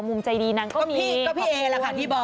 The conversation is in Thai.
เห็นไหมนี่